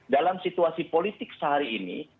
dalam situasi politik sehari ini